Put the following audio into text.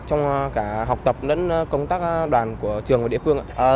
trong cả học tập lẫn công tác đoàn của trường và địa phương ạ